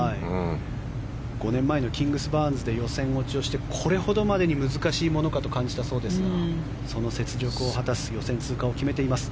５年前のキングスバーンズで予選落ちをしてこれほどまでに難しいものかと感じたそうですがその雪辱を果たす予選通過を決めています。